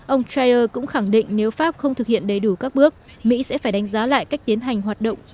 ông strayer cũng khẳng định nếu pháp không thực hiện đầy đủ các bước mỹ sẽ phải đánh giá lại cách tiến hành hoạt động